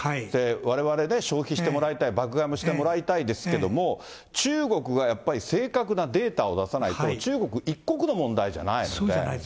われわれ、消費してもらいたい、爆買いもしてもらいたいですけれども、中国がやっぱり正確なデータを出さないと、中国一国の問題じゃないんで。